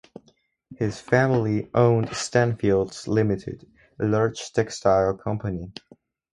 His family owned Stanfield's Limited, a large textile company.